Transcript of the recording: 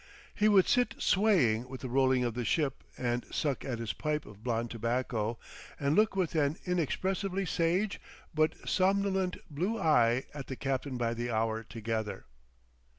He would sit swaying with the rolling of the ship and suck at his pipe of blond tobacco and look with an inexpressibly sage but somnolent blue eye at the captain by the hour together.